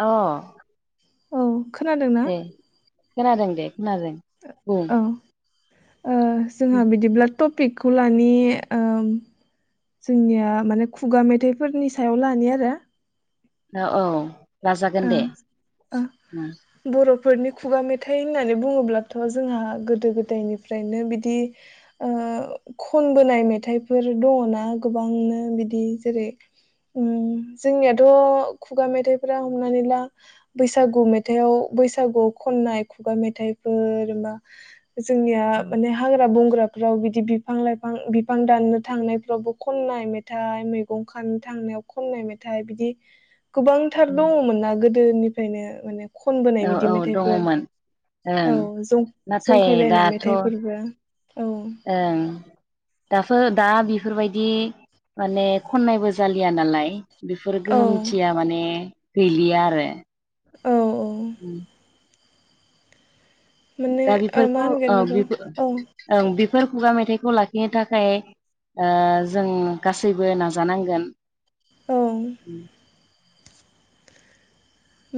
अ। औ। खोनादों ना। दे खोनादों दे। खोनादों बुं। ओ जोंहा बिदिब्ला। टपिकखौ लानि ओम जोंनिया माने खुगा मेथाइफोरनि सायाव लानि आरो। ओ औ। लाजागोन ओ दे ओ उम बर' फोरनि खुगा मेथाइ होननानै बुङोब्लाथ जोंहा गोदो गोदायनिफ्रायनो बिदि ओ खनबोनाय मेथाइफोर दङना गोबांनो बिदि जेरै उ जोंनियाथ खुगा मेथाइ हमनानै ला बैसागु मेथाइआव बैसागुआव खननाय खुगा मेथाइफोर मा जोंनिया माने हाग्रा बं फ्राव बिदि बिफां लाइफां बिफां दाननो थांनायफ्रावबो खननाय मेथाइ मैगं खानो थांनायाव खनाय मेथ बिदि गोबां थार दङमोन ना गोद गोदोनिफ्रायनो माने खनबोनाय औ बिदि औ मेथाइफोर दङमोन ओं औ जं नाथाय जंखायलायनाय दाथ ओं मेथाइफोरबो औ दाथ दा बि बेफोरबायदि माने खननायबो जालिया नालाय बेफोर औ गोहोमथिया माने गैलिया आरो। औ औ उम माने दा ओ मा बेफोरखौ ओ होनगोन बेखौ बिफो औ ओं बिफ बेफोर खुगा मेथाइखौ लाखिनो थाखाय ओ जों गासैबो नाजानांगोन। ओं। [inaudible]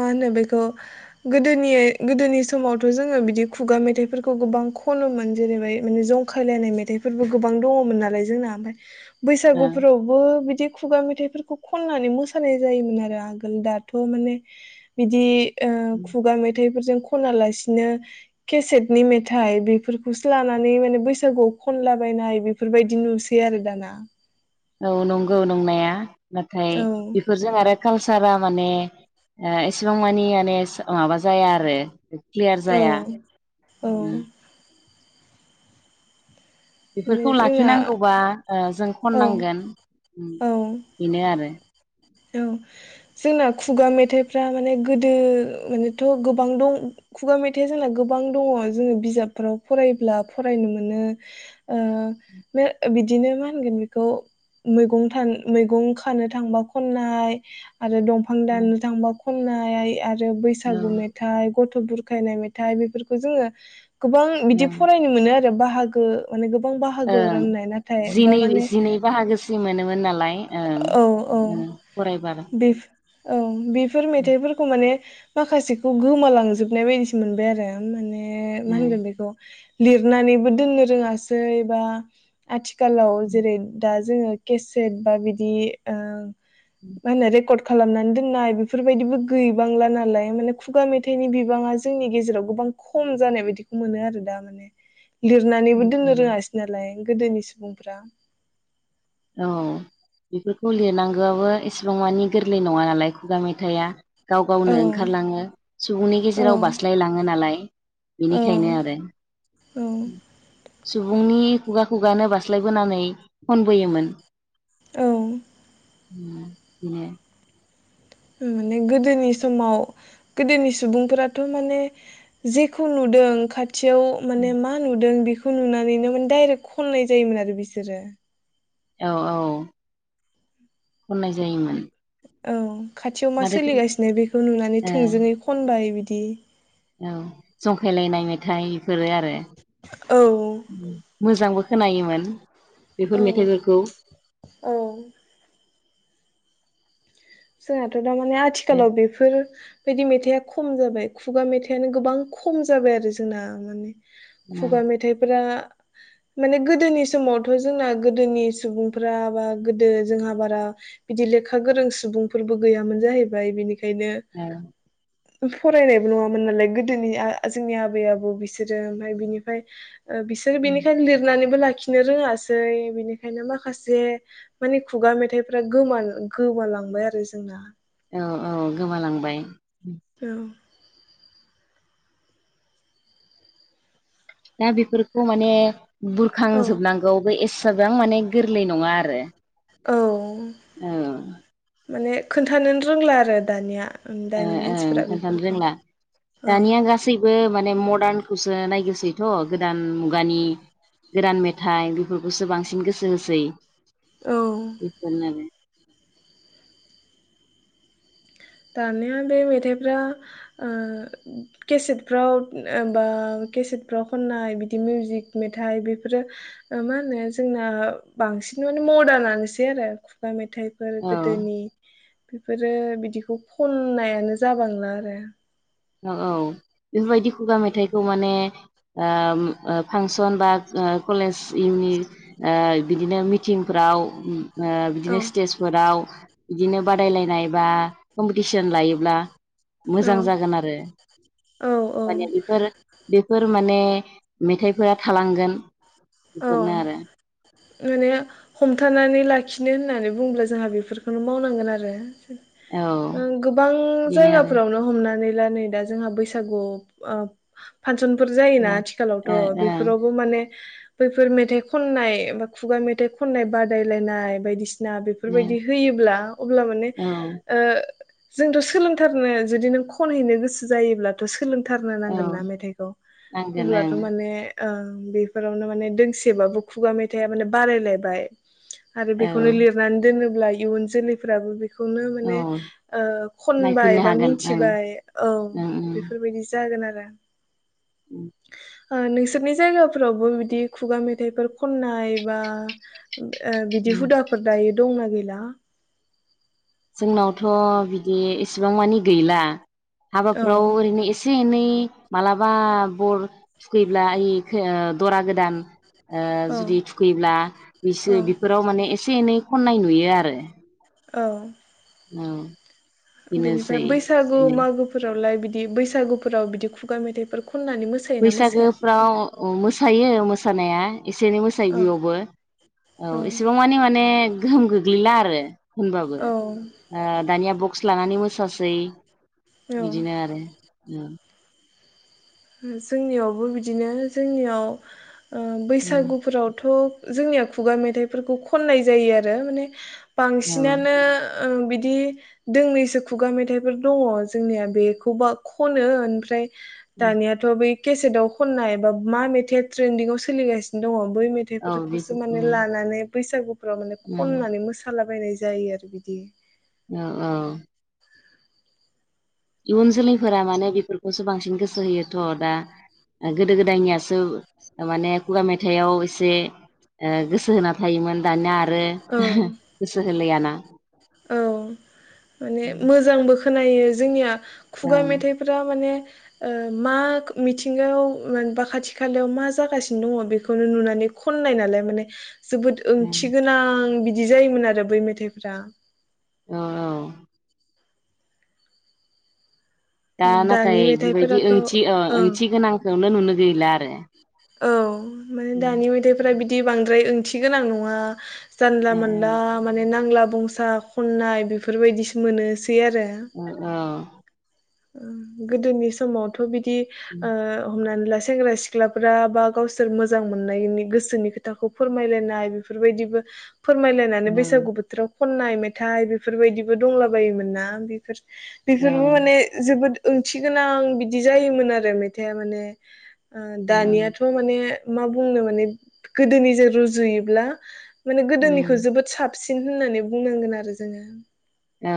मा होनो बेखौ गोदोनि गोदोनि समावथ जोङो बिदि खुगा मेथाइफोरखौ गोबां खनोमोन जेरैबाय माने जंखायलायनाय मेथाइफोरबो गोबां दङमोन नालाय जोंना ओमफाय बैसागुफोरावबो बिदि खुगा मेथाइफोरखौ खनानै मोसानाय जायोमोन आरो आगोल दाथ माने बिदि ओ खुगा मेथाइफोरजों खना लासिनो केसेटनि मेथाइ बेफोरखौसो लानानै माने बैसागुआव खनलाबायनाय बेफोरबायदि नुसै आरो दाना। औ नंगौ नंनाया। नाथाय औ बेफोरजों आरो कालसारा माने ओ एसेबां मानि माने माबा जाया आरो क्लियार औ जाया औ माने बेफोरखौ जोंना लाखिनांगौबा ओ जों औ खननांगोन औ बेनो आरो औ जोंना खुगा मेथाइफ्रा माने गोदो मानेथ गोबां दं खुगा मेथाइया जोंना गोबां दङ जोङो बिजाबफ्राव फरायब्ला फरायनो मोनो ओ बिदिनो मा होनगोन बेखौ मैगं थां मैगं खानो थांबा खननाय आरो दंफां औ दाननो थांबा खननाय आर बैसागु ओं मेथाइ ग थ बुरखायनाय मेथाइ बेफोरखौ जोंङो गोबां बिदि फरायनो मोनो आर बाहागो ओरै ओं जिनै जिनै बाहागोसि मोनोमोन नालाय ओं औ ओ औ हरायबा बे औ बेफोर मेथाइफोरखौ माने माखासेखौ गोमालांजोबनाय बायदिसो मोनबाय आरो माने ने मा ओं होनगोन बेखौ लिरनानैबो दोननो रोङासै बा आथि खालाव जेरै दा जोङो केसेट बा बिदि ओ मानो रेकरड खालामनानै दोननाय बेफोरबायदिबो गैबांला नालाय माने खुगा मेथाइनि बिबाङा जोंनि गेजेराव गोबां खम जानाय बायदिखौ मोनो आरो दा माने लिरनानैबो ओं ओं दोननो रोङासैनो नालाय गोदोनि सुबुंफ्रा औ बेफोरखौ लिरनांगौआबो एसेबां मानि गोरलै नङा नालाय खुगा मेथाइआ गाव औ गावनो ओंखारलाङो सुबुंनि औ गेजेराव बास्लायलाङो नालाय औ बेनिखायनो आरो औ सुबुंनि खुगा खुगानो बास्लायबोनानै फन बोयोमोन औ उम माने माने गोदोनि समाव गोदोनि सुबुंफोराथ माने जेखौ नुदों खाथ थियाव माने मा नुदों बे खौ नुनानैनो मान दायरेक्ट खननाय जायोमोन आरो बिसोरो। औ औ खननाय जायोमोन औ खाथियाव मा नाथायथ' ओ सोलिगासिनो बेखौ नुनानै थोंजोङै खनबाय बिदि बि औ जंखायलायनाय मेथाइ फोरो आरो औ मोजांबो खोनायोमोन बेफोर औ मेथाइफोरखौ औ जोंहाथ दा माने आथिखालाव बेफोर बिदि मेथाइआ खम जाबाय खुगा मेथाइआनो गोबां खम जाबाय आरो जोंना माने खुगा मेथाइफोरा माने गोदोनि समावथ जोंना गोदोनि सुबुंफोरा बा गोदो जोंहा बारा बिदि लेखा गोरों सुबुं फोरबो गैयामोन जाहैबाय बिनि बेखायनो फरायनायबो नङामोन नालाय गोदोनि जोंनि आबै आबौ बिसोरो ओमफ्राय बिनिफ्राय ओ बिसोरो औ बेनिखायनो लिरनानैबो ला खिनो रोङासै बिनिखायनो माखासे माने खुगा मेथाइफोरा गोमा गोमालांबाय आरो जोंना औ औ गोमालांबाय औ दा बेफोरखौ माने औ बुरखांजोबनांगौबो एसे बेसेबां माने गोरलै नङा आरो औ औ माने खोन्थानो रोंला आरो दानिया ओ दानि ओं मानसिफोरा खोन्थानो बेफोरखौ रोंला औ दानिया गासैबो माने म र्आदनखौसो नायगिरसैथ गोदान मुगानि गोदान मेथाइ बेफोरखौसो बांसिन गोसो होसै औ इफोरनो दानिया बे मेथाइफ्रा ओ केसेटफ्राव बा केसेटफ्राव खननाय बिदि मिउजिक मेथाइ बेफोरो ओ मा होनो जोंना बांसिन माने मर्दानासै आरो खुगा मेथाइ थाइफोर औ गोदोनि बेफोर आरो बिदि बखौ खननायानो जाबांला आरो औ औ बेफोरबायदि खुगा मेथाइखौ माने ओ फांसन बा ओ कलेजनि ओ बिदिनो मिथिंफ्राव ओ औ बिदिनो स्टेजफोराव बिदिनो बादायलायनाय बा कम्पिटिसन लायोब्ला औ मोजां जागोन आरो। [inaudible] औ औ माने बेफोर बेफोर माने मेथाइफोरा थालांगोन औ बेफोरनो आरो आरो हमथानानै लाखिनो होननानै बुंब्ला जोंहा बेफोरखौ मावनांगोन आरो। औ ओं गोबां बेनो आरो जायगाफोरावनो हमनानै अब्ला नै दा जोंहा बैसागु फांसनफोर जायोना आथिखालावथ ओ बेफोरावबो माने [inaudible] बैफोर मेथाइ खननाय बा खुगा मेथाइ खननाय बादायलायनाय बायदिसि सिना ओं बेफोरबायदि होयोब्ला अब्ला माने ओं ओ जोंथ सोलोंथारनो जुदि नों खनहैनो गोसो जायोब्लाथ सोलोंथारनो औ नांगोन ना मेथाइखौ नांगोन होनब्लाथ माने ओ बेफोरावनो माने माने दोंसेबाबो खुगा मेथाइआ माने बारायलायबाय आरो बेखौनो ओं लिरनानै दोनो ब्ला इयुन जोलैफ्राबो बेखो बेखौनो औ माने ओ खनबाय नायफिननो बा हागोन ओं मिनथिबाय औ ओं बेफोरबायदि जागोन आरो [inaudible] ओ नोंसोरनि जायगाफोरावबो बिदि खुगा मेथाइफोर खननाय बा ओ बिदि ओं हुदाफोर दायो दं ना गैला? जोंनावथ बिदि इसेबां मानि गैला औ हाबाफ्राव ओरैनो एसे एनै मालाबा बर थुखैब्ला इ दरा गोदान ओ औ जुदि थुखैब्ला औ बिसो बेफोराव माने एसे एनै खननाय नुयो आरो औ। औ। बिनिफ्राय बेनोसै बैसागु बेनो मागो फोरावलाय बिदि दि बैसागुफोराव बिदि खुगा मेथाइफोर खननानै मोसायोना मोसाया बैसागोफ्राव अ मोसायो सानाया एसे एनै मोसायो औ बेयावबो औ औ एसेबां मानि माने गोहोम गो गैला आरो बिद होनबाबो औ ओ दानिया ब खुस लानानै मोसासै। औ बिदिनो आरो। [unintelligible] जोंनियावबो बिदिनो जोंनियाव ओ उम बैसागुफोरावथ' जोंनिया खुगा मेथाइफोरखौ खननाय जायो आरो माने औ बांसिनानो ओ बि दि दोंनैसो खुगा मेथाइफोर दङ जोंनिया बेखौबा खनो ओनफ्राय दानियाथ' बै केसेटाव खननाय एबा मा मेथाइ ट्रेन्डिं आव सोलिगासिनो दङ। बै औ बेखौ मेथाइफोरखौसो माने उम लानानै बैसागु फोराव माने उम खननानै मोसालाबायनाय जायो आरो बिदि। ओ औ। इयुन जोलैफोरा माने बेफोरखौसो बांसिन गोसो होयोथ' दा गोदो गोदायनियासो माने खुगा मेथाइआव एसे ओ गोसो होना थायोमोन। दानिया आरो औ गोसो होलायाना औ माने उम। मोजांबो खोनायो जोंनिया खुगा मेथाइफोरा माने ओ मा मिथिंगायाव बा खाथि खालायाव मा जागासिनो दङ बेखौनो नुनानै खननाय नालाय माने जोबोद ओं थिगोनां बि दि जायोमोन आरो बै मेथाइफोरा। औ औ। दा दानि नाथाय बेबायदि मेथाइफोराथ' ओंथि ओ ओं ओंथि गोनांखौनो नुनो गैला आरो। औ। माने उम दानि मेथाइफ्रा बि दि बांद्राय ओंथि गोनां नङा। जानला मोनला ओ माने नांला बंसा खननाय बेफोरबायदिसो मोनोसो ओ औ। ओ गोदोनि समावथ' बिद दि ओ हमनानै सेंग्रा सिख्ला फोरा बा गावसोर मोजां मोननायनि गोसोनि खोथाखौ फोरमायलायनाय बेफोरबायदिबो फोरमायलायनानै औ बैसागु बोथोराव खननाय मेथाइ बेफोरबायदिबो दंला बायोमोन ना बेफोर औ बेफोरबो माने जोबोद ओंथि गोनां बिदि जायोमोन आरो मेथाइआ माने ओ दानियाथ‌' माने मा बुंनो माने गोदोनि जों रुजुयोब्ला माने गोदोनिखौ उम जोबोद साब साबसिन होननानै बुंनांगोन आरो जोङो। औ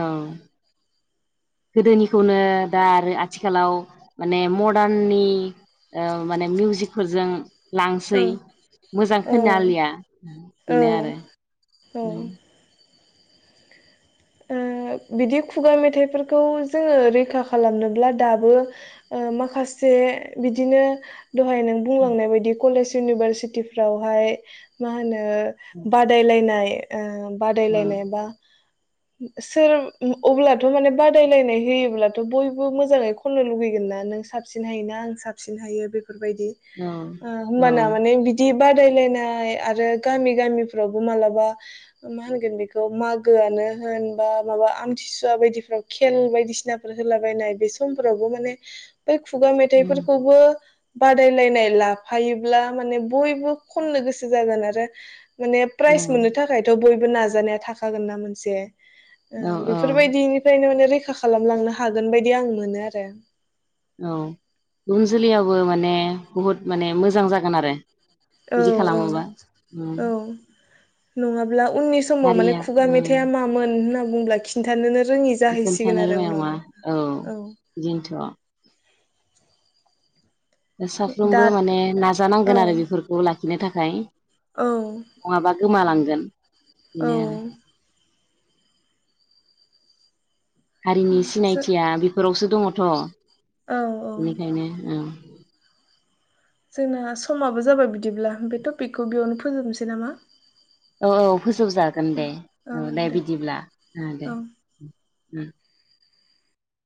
गोदोनिखौनो दा आरो आथिखालाव माने मडार्ननि ओ माने मिउजिकफोरजों लांसै मोजां औ खोनो आलिया औ बेनो आरो उम। औ ओ‌ बिदि खुगा मेथाइफोरखौ जोङो रैखा खालामनोब्ला दाबो ओ माखासे बिदिनो दहाय नों बुंलांनाय बायदि कलेज इउनिभारसिटि फावहाय मा होनो ओ‌ बादायलायनाय ओ औ बादायलायनाय बा सोर अब्लाथ' माने बादायलायनाय होयोब्लाथ‌' बयबो मोजाङै खननो लुगैगोन ना नों साबसिन हायोना आं साबसिन हायो। बे फोरबायदि औ औ होमबाना माने बिदि बादायलायनाय आरो गामि गामिफ्रावबो मालाबा मा होनगोन बेखौ मागोआनो होन बा माबा आमथिसुवा बायदिफ्राव खेल बायदिसिनाफोर होलाबायायनाय बे समफोरावबो माने बै खुगा उम मेथाइफोरखौबो बादायलायनाय लाफायोब्ला माने बयबो खननो गोसो जागोन आरो माने औ प्राइज मोननो थाखायथ' बय बो नाजानाया थाखागोन ना मोनसे ओ‌ औ औ बेफोरबायदिनिफ्रायनो माने रै खा खालामलांनो हागोन बायदि आं मोनो आरो औ इयुन जोलैयाबो माने बुहुद माने मोजां जागोन आरो औ बिदि औ खालामोबा उम औ नङा ब्ला उननि समाव माने हारिया खुगा उम मेथाइआ मामोन होन बुंब्ला खिनथानोनो खोन्थानो रोंनाय नङा औ बिदिनोथ'। दा साफ्रोमबो माने औ नाजानांगोन आरो बेफोरखौ लाखिनो थाखाय औ नङाबा गोमालांगोन। औ बिनो आरो। हारिनि जो सिनायथिया बेफोरावसो दङ'थ' औ औ बेनिखायनो औ। जोंना समाबो जाबाय बिदिब्ला बे टपिकखौ बेयावनो फोजोबनोसै नामा? औ औ फोजोबजागोन दे औ दे बिदिब्ला ओ दे। औ उम।